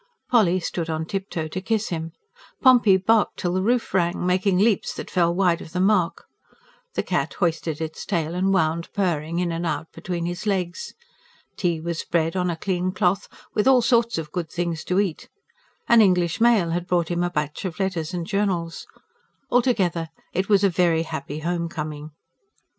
Polly stood on tip toe to kiss him; Pompey barked till the roof rang, making leaps that fell wide of the mark; the cat hoisted its tail, and wound purring in and out between his legs. Tea was spread, on a clean cloth, with all sorts of good things to eat; an English mail had brought him a batch of letters and journals. Altogether it was a very happy home coming.